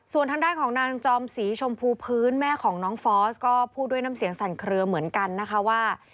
ส่วนทางด้านของนางจอมศรีชมพูพื้นแม่ของน้องฟอสก็พูดด้วยน้ำเสียงสั่นเคลือเหมือนกันนะคะว่า